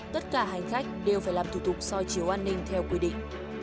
tất cả hành khách đều phải làm thủ tục soi chiếu an ninh theo quy định